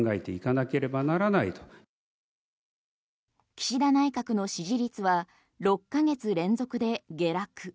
岸田内閣の支持率は６ヶ月連続で下落。